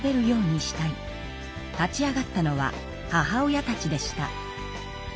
立ち上がったのは母親たちでした。